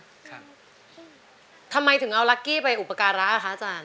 อาจารย์ทำไมถึงเอารักกี้ไปอุปกรณ์ร้าอ่ะคะอาจารย์